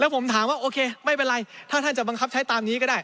ผมถามว่าโอเคไม่เป็นไรถ้าท่านจะบังคับใช้ตามนี้ก็ได้